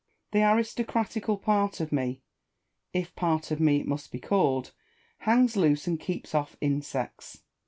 The aristocratical part of me, if part of me it must be called, hangs loose and keeps off insects.